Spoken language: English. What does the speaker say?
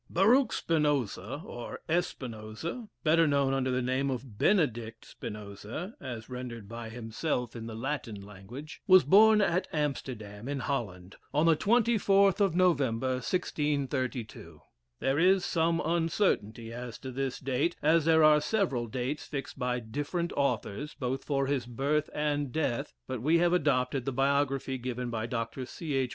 Baruch Spinoza, or Espinoza, better known under the name of Benedict Spinoza (as rendered by himself in the Latin language,) was born at Amsterdam, in Holland, on the 24th of November, 1632. There is some uncertainty as to this date, as there are several dates fixed by different authors, both for his birth and death, but we have adopted the biography given by Dr. C. H.